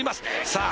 さあ